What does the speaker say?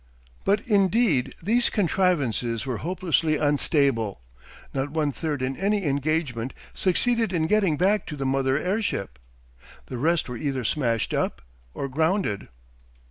But indeed these contrivances were hopelessly unstable; not one third in any engagement succeeded in getting back to the mother airship. The rest were either smashed up or grounded.